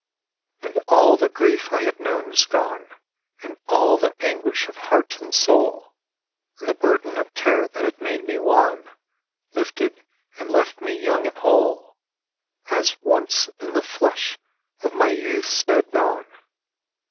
And all the grief I had known was gone, And all the anguish of heart and soul; And the burden of care that had made me wan Lifted and left me young and whole As once in the flush of my youth's dead dawn.